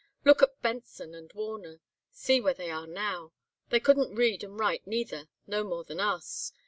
Look at Benson and Warner, see where they are now! They couldn't read and write neither, no more than us.